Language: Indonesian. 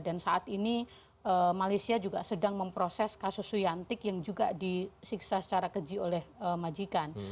dan saat ini malaysia juga sedang memproses kasus suyantik yang juga disiksa secara keji oleh majikan